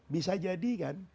bisa jadi kan